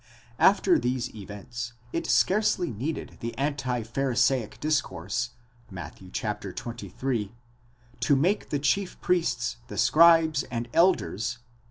After these events, it scarcely needed the anti Pharisaic discourse Matt. xxiii. to make the chief priests, the scribes and elders, z.